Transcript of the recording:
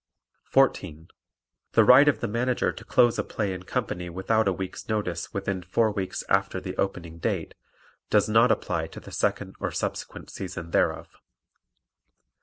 14. The right of the Manager to close a play and company without a week's notice within four weeks after the opening date does not apply to the second or subsequent season thereof.